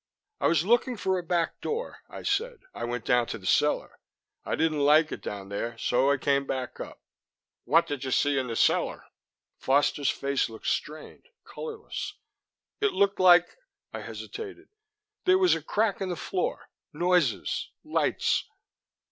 "I was looking for a back door," I said. "I went down to the cellar. I didn't like it down there so I came back up." "What did you see in the cellar?" Foster's face looked strained, colorless. "It looked like ..." I hesitated. "There was a crack in the floor, noises, lights...."